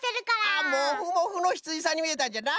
あモフモフのひつじさんにみえたんじゃな。